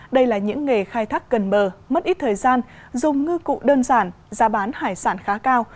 đây là những nghề khai thác gần bờ mất ít thời gian dùng ngư cụ đơn giản giá bán hải sản khá cao